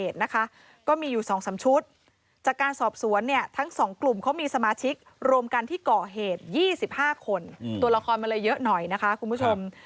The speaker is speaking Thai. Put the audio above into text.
ตัวละครมันเลยเยอะหน่อยนะคะคุณผู้ชม